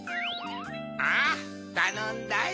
ああたのんだよ。